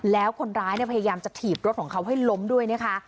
แล้วคนร้ายพยายามจะถีบรถของเขาให้ล้มด้วยนะคะ